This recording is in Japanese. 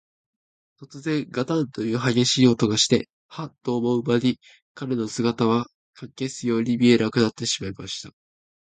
とつぜん、ガタンというはげしい音がして、ハッと思うまに、彼の姿は、かき消すように見えなくなってしまいました。